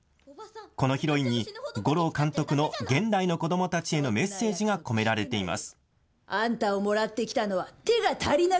このヒロインに、吾朗監督の現代の子どもたちへのメッセージが込められています。